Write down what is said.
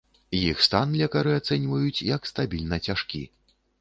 Іх стан лекары ацэньваюць як стабільна цяжкі.